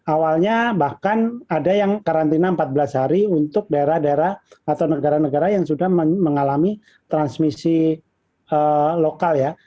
awalnya bahkan ada yang karantina empat belas hari untuk daerah daerah atau negara negara yang sudah mengalami transmisi lokal ya